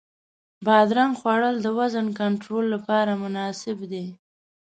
بادرنګ خوړل د وزن کنټرول لپاره مناسب دی.